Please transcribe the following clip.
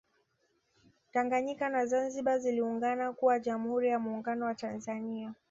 Tanganyika na Zanzibar ziliungana kuwa Jamhuri ya Muungano wa Tanzania